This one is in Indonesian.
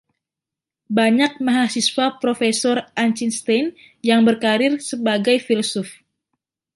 Banyak mahasiswa Profesor Achinstein yang berkarir sebagai filsuf.